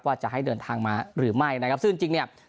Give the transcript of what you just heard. ว่าจะให้เดินทางมาหรือไม่นะครับซึ่งจริงเนี่ย